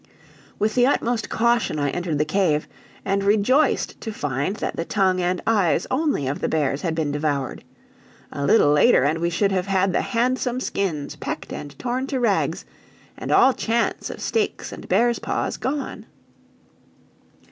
With the utmost caution I entered the cave, and rejoiced to find that the tongue and eyes only of the bears had been devoured; a little later and we should have had the handsome skins pecked and torn to rags, and all chance of steaks and bears' paws gone.